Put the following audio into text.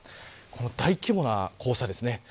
この大規模な黄砂ですね。